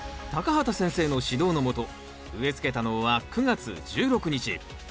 畑先生の指導のもと植えつけたのは９月１６日。